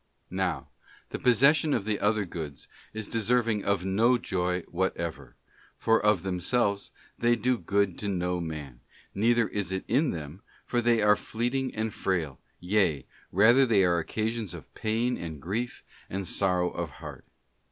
Now the possession of the other goods is deserving of no joy whatever, for of themselves they _ do good to no man, neither is it in them, for they are fleet ing and frail, yea, rather they are the occasions of pain and grief and sorrow of heart.